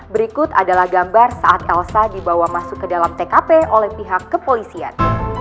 berikut adalah gambar saat kalsa dibawa masuk ke dalam tkp oleh pihak kepolisian